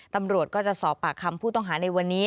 ตำรวจก็จะสอบปากคำผู้ต้องหาในวันนี้